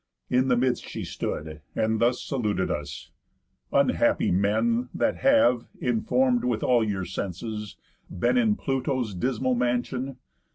In the midst she stood, And thus saluted us; 'Unhappy men, That have, inform'd with all your senses, been In Pluto's dismal mansion!